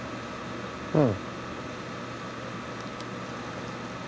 うん。